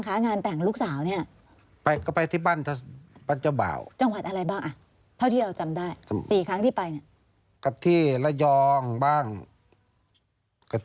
๒ครั้งมาที่จังหวัดเลยไปที่ร้านอาหาร